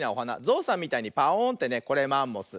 ゾウさんみたいにパオーンってねこれマンモス。